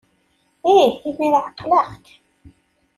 Ih, imir-a ɛeqleɣ-k!